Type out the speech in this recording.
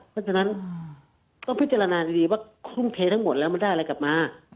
เพราะฉะนั้นต้องพิจารณาดีว่าทุ่มเททั้งหมดแล้วมันได้อะไรกลับมา